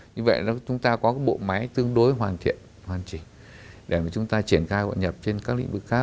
như vậy chúng ta có bộ máy tương đối hoàn thiện hoàn chỉnh để chúng ta triển khai hội nhập trên các lĩnh vực khác